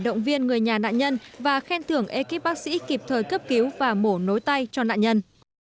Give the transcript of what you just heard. động viên người nhà nạn nhân và khen thưởng ekip bác sĩ kịp thời cấp cứu và mổ nối tay cho nạn nhân